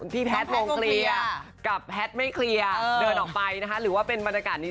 แพทย์ลงเคลียร์กับแพทย์ไม่เคลียร์เดินออกไปนะคะหรือว่าเป็นบรรยากาศนี้